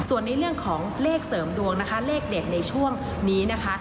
ส่วนในเรื่องของเลขเสริมดวงนะคะเลขเด็ดในช่วงนี้นะคะ